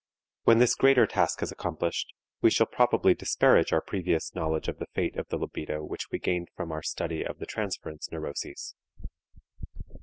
When this greater task is accomplished we shall probably disparage our previous knowledge of the fate of the libido which we gained from our study of the transference neuroses.